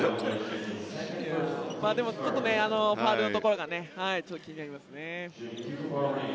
でもちょっとファウルのところが気になりますね。